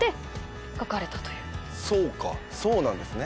そうかそうなんですね。